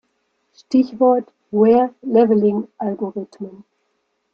Stichwort: "Wear-Leveling-Algorithmen".